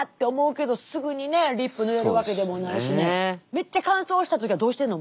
めっちゃ乾燥した時はどうしてるの？